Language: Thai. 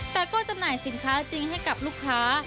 แต่ก็จำหน่ายสินค้าจริงให้กับลูกค้า